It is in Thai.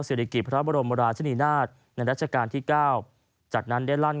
ริกิตพระบรมราชนีนาฏในรัชกาลที่เก้าจากนั้นได้ลั่น